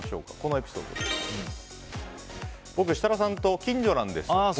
僕、設楽さんと近所なんですよ。